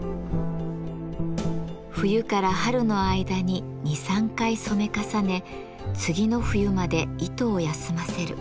冬から春の間に２３回染め重ね次の冬まで糸を休ませる。